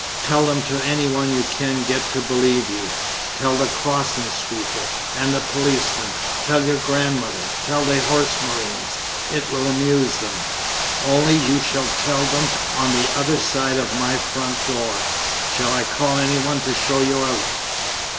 "Tell them to anyone you can get to believe you tell the crossing sweeper and the policemen, tell your grandmother, tell the horse marines it will amuse them. Only, you shall tell them on the other side of my front door. Shall I call anyone to show you out?"